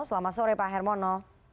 selamat sore pak hermono